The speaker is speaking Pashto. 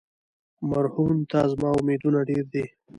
مرهون ته زما امیدونه ډېر دي.